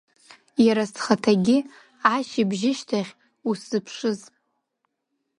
Иара схаҭагьы ашьыбжьышьҭахь усзыԥшыз.